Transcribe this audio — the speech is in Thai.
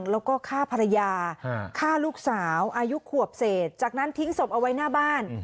แล้วก็ฆ่าภรรยาฆ่าลูกสาวอายุขวบเศษจากนั้นทิ้งศพเอาไว้หน้าบ้าน